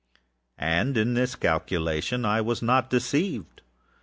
And in this calculation I was not deceived.